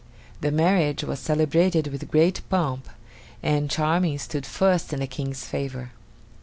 The marriage was celebrated with great pomp, and Charming stood first in the King's favor.